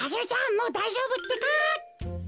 もうだいじょうぶってか。